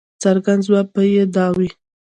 څرګند ځواب به یې دا وي.